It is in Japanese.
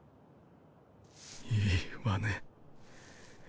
いいわね。